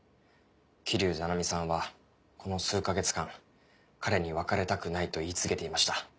桐生菜々美さんはこの数か月間彼に「別れたくない」と言い続けていました。